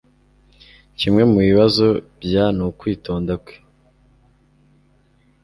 Kimwe mubibazo bya nukwitonda kwe.